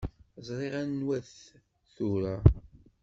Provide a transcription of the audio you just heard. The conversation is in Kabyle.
Ẓriɣ anwa-t tura.